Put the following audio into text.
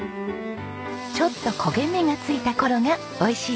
ちょっと焦げ目がついた頃が美味しいそうです。